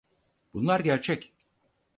Bunlar gerçek.